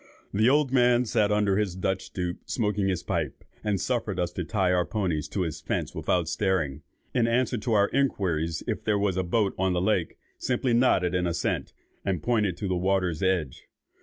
The old man sat under his Dutch stoup, smoking his pipe, and suffered us to tie our ponies to his fence without stirring; and in answer to our inquiries if there was a boat on the lake, simply nodded an assent, and pointed to the water's edge.